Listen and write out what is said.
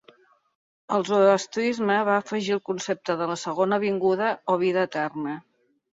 El zoroastrisme va afegir el concepte de la segona vinguda o vida eterna.